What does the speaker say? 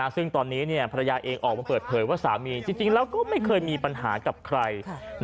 ซึ่งตอนนี้ภรรยาเองออกมาเปิดเผยว่าสามีจริงแล้วก็ไม่เคยมีปัญหากับใคร